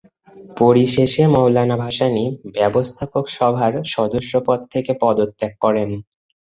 পরিশেষে মওলানা ভাসানী ব্যবস্থাপক সভার সদস্য পদ থেকে পদত্যাগ করেন।